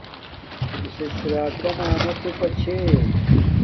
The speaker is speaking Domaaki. کسک راکانا توپا چھے